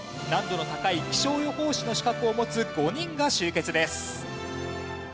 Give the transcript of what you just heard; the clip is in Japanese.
難度の高い気象予報士の資格を持つ５人が集結です。